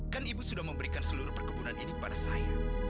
kan ibu sudah memberikan seluruh perkebunan ini pada saya